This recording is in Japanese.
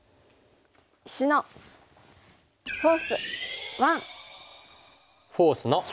「石のフォース１」。